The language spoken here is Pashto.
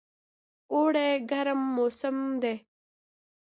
اوړی ګرم موسم دی